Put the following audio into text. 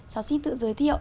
cháu xin tự giới thiệu